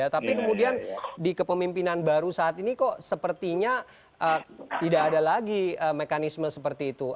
tapi kemudian di kepemimpinan baru saat ini kok sepertinya tidak ada lagi mekanisme seperti itu